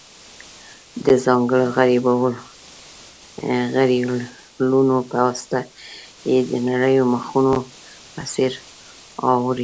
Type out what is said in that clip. د ځانګړو غربیلونو په واسطه یې د نریو مخونو په څېر اواروي.